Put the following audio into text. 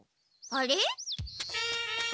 あれ？